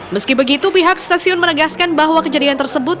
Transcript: meski begitu pihak stasiun menegaskan bahwa kejadian tersebut